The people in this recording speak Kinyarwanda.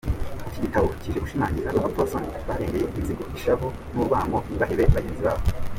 "Iki gitabo kije gushimagiza abapfasoni barengeye inzigo, ishavu n'urwanko ntibahebe bagenzi babo.